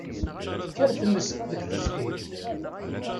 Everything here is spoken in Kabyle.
Tekker tmes deg teẓgi.